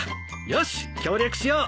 よし協力しよう。